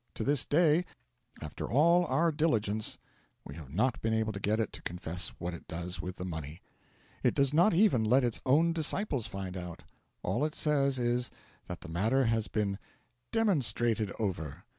To this day, after all our diligence, we have not been able to get it to confess what it does with the money. It does not even let its own disciples find out. All it says is, that the matter has been 'demonstrated over.'